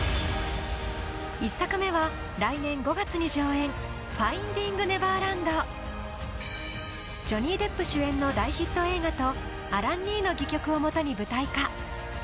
１作目は来年５月に上演「ファインディング・ネバーランド」ジョニー・デップ主演の大ヒット映画とアラン・ニーの戯曲をもとに舞台化。